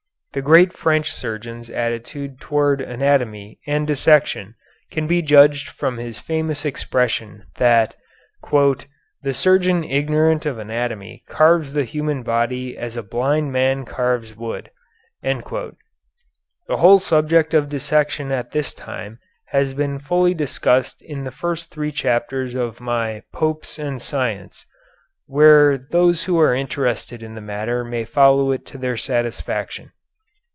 The great French surgeon's attitude toward anatomy and dissection can be judged from his famous expression that "the surgeon ignorant of anatomy carves the human body as a blind man carves wood." The whole subject of dissection at this time has been fully discussed in the first three chapters of my "Popes and Science," where those who are interested in the matter may follow it to their satisfaction.